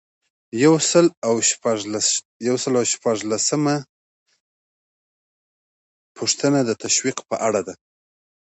یو سل او شپږلسمه پوښتنه د تشویق په اړه ده.